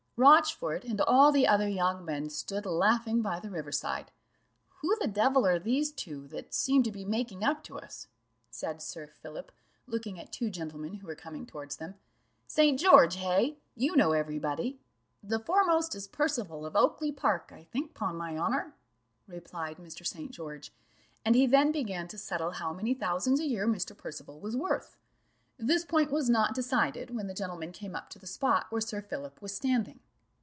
Rochfort, and all the other young men stood laughing by the river side. "Who the devil are these two that seem to be making up to us?" said Sir Philip, looking at two gentlemen who were coming towards them; "St. George, hey? you know every body." "The foremost is Percival, of Oakly park, I think, 'pon my honour," replied Mr. St. George, and he then began to settle how many thousands a year Mr. Percival was worth. This point was not decided when the gentlemen came up to the spot where Sir Philip was standing.